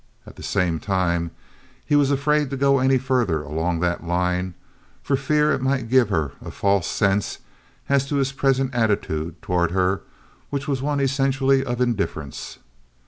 At the same time he was afraid to go any further along that line, for fear it might give her a false sense as to his present attitude toward her which was one essentially of indifference.